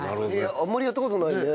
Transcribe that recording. あんまりやった事ないね。